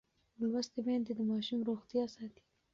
لوستې میندې د ماشوم روغتیا ساتي.